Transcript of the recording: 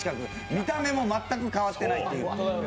見た目も全く変わっていないという。